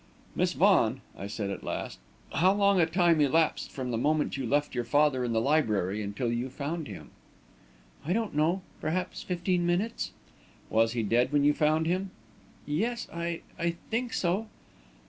"Miss Vaughan," I said, at last, "how long a time elapsed from the moment you left your father in the library until you found him?" "I don't know. Perhaps fifteen minutes." "Was he quite dead when you found him?" "Yes, I I think so."